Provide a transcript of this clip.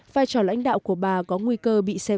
phai trò lãnh đạo của bà có nguy cơ